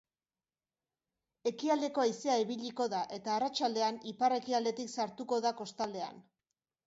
Ekialdeko haizea ibiliko da eta arratsaldean ipar-ekialdetik sartuko da kostaldean.